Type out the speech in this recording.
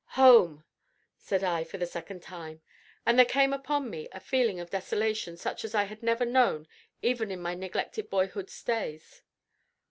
"Home!" said I for the second time, and there came upon me a feeling of desolation such as I had never known even in my neglected boyhood's days.